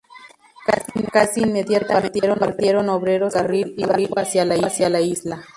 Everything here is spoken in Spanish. Casi inmediatamente, partieron obreros en ferrocarril y barco hacia la isla.